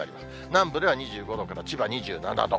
南部では２５度から、千葉２７度。